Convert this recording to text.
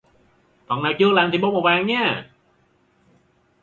phần nào chưa làm thì bôi màu vàng nhé